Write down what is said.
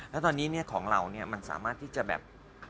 แล้วตอนนี้ของเรามันสามารถที่จะแบบ